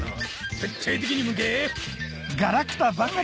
徹底的にむけ。